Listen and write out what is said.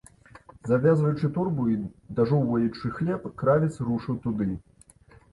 Завязваючы торбу і дажоўваючы хлеб, кравец рушыў туды.